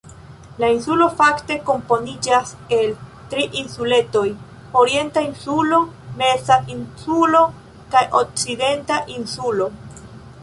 La insulo fakte komponiĝas el tri insuletoj: Orienta Insulo, Meza Insulo kaj Okcidenta Insulo.